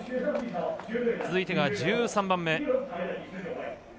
続いてが１３番目。